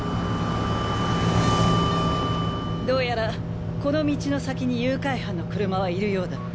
どうやらこの道の先に誘拐犯の車はいるようだ。